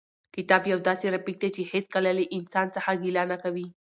کتاب یو داسې رفیق دی چې هېڅکله له انسان څخه ګیله نه کوي.